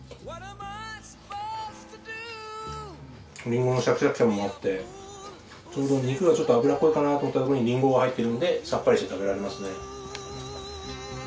リンゴのシャキシャキ感もあって肉がちょっと脂っこいかなと思ったところにリンゴが入ってるのでサッパリして食べられますね。